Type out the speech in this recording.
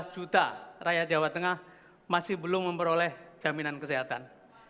empat belas juta rakyat jawa tengah masih belum memperoleh jaminan kesehatan